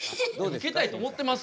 ウケたいと思ってます。